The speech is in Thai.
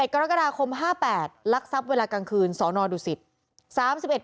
๑๑กรกฎาคม๕๘ลักษัพเวลากลางคืนสนดุศิษฐ์